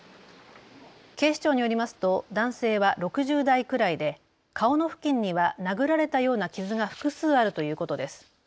警視庁によりますと男性は６０代くらいで顔の付近には殴られたような傷が複数あるということです。